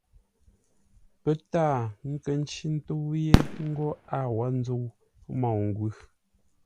Pə́ taa nkə́ ncí ńtə́u yé ńgó a wó ńzə́u môu-ngwʉ̂.